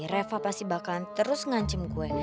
reva pasti bakalan terus ngancim gue